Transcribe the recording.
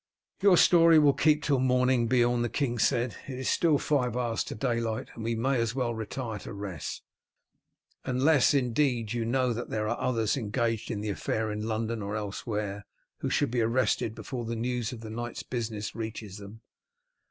"Your story will keep till the morning, Beorn," the king said. "It is still five hours to daylight, and we may as well retire to rest, unless, indeed, you know that there are others engaged in the affair in London or elsewhere who should be arrested before the news of the night's business reaches them."